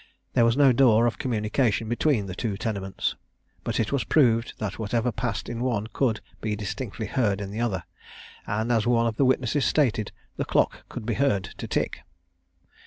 There was no door of communication between the two tenements; but it was proved, that whatever passed in one could be distinctly heard in the other; and, as one of the witnesses stated, the clock could be heard to tick.